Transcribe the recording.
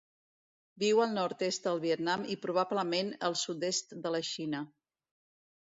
Viu al nord-est del Vietnam i, probablement, el sud-est de la Xina.